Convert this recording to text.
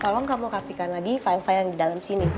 tolong kamu kapikan lagi file file yang di dalam sini